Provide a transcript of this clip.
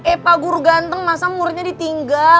eh pagur ganteng masa muridnya ditinggal